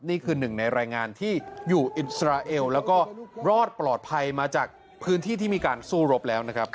นี่คือหนึ่งในรายงานที่อยู่อิสราเอลแล้วก็รอดปลอดภัยมาจากพื้นที่ที่มีการสู้รบแล้วนะครับ